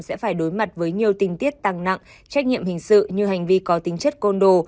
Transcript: sẽ phải đối mặt với nhiều tình tiết tăng nặng trách nhiệm hình sự như hành vi có tính chất côn đồ